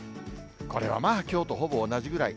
これはまあ、きょうとほぼ同じぐらい。